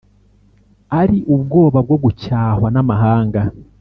ari ubwoba bwo gucyahwa n'amahanga.